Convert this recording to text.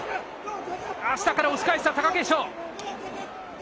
下から押し返した貴景勝。